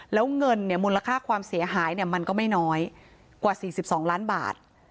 แล้วเงินเนี่ยมูลค่าความเสียหายเนี่ยมันก็ไม่น้อยกว่าสี่สิบสองล้านบาท